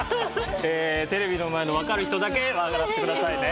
テレビの前のわかる人だけ笑ってくださいね。